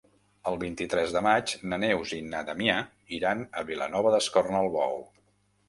El vint-i-tres de maig na Neus i na Damià iran a Vilanova d'Escornalbou.